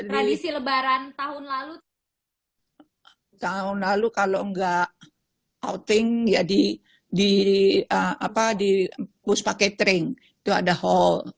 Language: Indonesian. tahun lalu tahun lalu kalau enggak outing jadi di apa di bus paket ring itu ada hal